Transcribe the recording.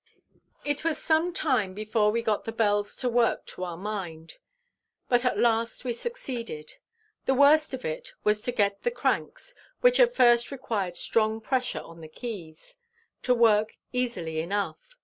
It was some time before we got the bells to work to our mind, but at last we succeeded. The worst of it was to get the cranks, which at first required strong pressure on the keys, to work easily enough.